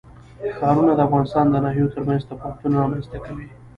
ښارونه د افغانستان د ناحیو ترمنځ تفاوتونه رامنځ ته کوي.